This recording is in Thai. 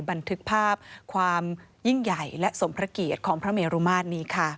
บันทึกภาพความยิ่งใหญ่และสมพระเกียรติของพระเมรุมาตรนี้ค่ะ